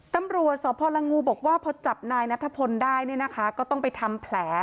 ตำรวจสพลงูบอกว่าพอจับนายนัทพลได้เนี่ยนะคะก็ต้องไปทำแผล